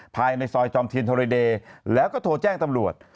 ภายในซอยจอมเทียนธรเดย์แล้วก็โทรแจ้งตำรวจ